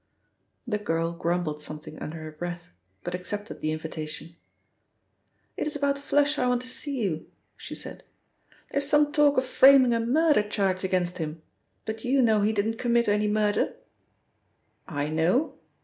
The girl grumbled something under her breath, but accepted the invitation. "It is about 'Flush' I want to see you," she said. "There's some talk of framing a murder charge against him, but you know he didn't commit any murder." "I know?